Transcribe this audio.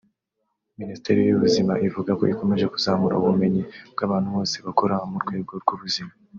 Minisiteri y’ubuzima ivuga ko ikomeje kuzamura ubumenyi bw’abantu bose bakora mu rwego rw’ubuzima